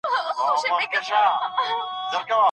چا چي نه وي د سبا خوارۍ منلي